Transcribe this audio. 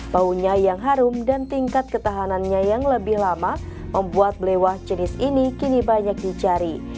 baunya yang harum dan tingkat ketahanannya yang lebih lama membuat belewah jenis ini kini banyak dicari